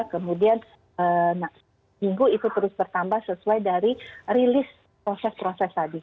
kemudian minggu itu terus bertambah sesuai dari rilis proses proses tadi